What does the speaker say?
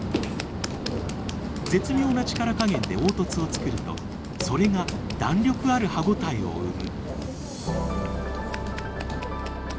絶妙な力加減で凹凸を作るとそれが弾力ある歯応えを生む。